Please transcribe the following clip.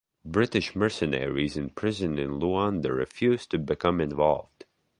British mercenaries in prison in Luanda refused to become involved.